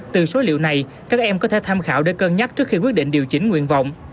từ số liệu này các em có thể tham khảo để cân nhắc trước khi quyết định điều chỉnh nguyện vọng